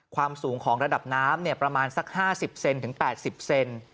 ความสูงของระดับน้ำประมาณสัก๕๐เซนถึง๘๐เซน